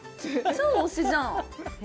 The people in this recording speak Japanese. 超推しじゃん！